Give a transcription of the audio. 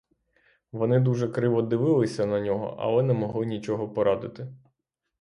Вони дуже криво дивилися на нього, але не могли нічого порадити.